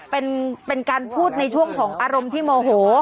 เป็นการพูดในช่วงของอารมณ์ที่โมโห